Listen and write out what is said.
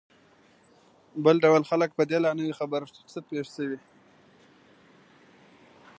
بل ډول خلک په دې لا نه وي خبر چې څه پېښ شوي.